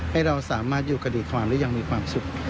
ให้เราสามารถอยู่กับดีความได้ยังมีความสุข